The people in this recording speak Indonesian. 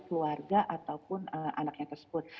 keluarga ataupun anaknya tersebut